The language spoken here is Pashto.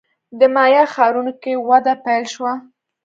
د مایا ښارونو کې وده پیل شوه.